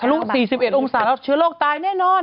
ลุ๔๑องศาแล้วเชื้อโรคตายแน่นอน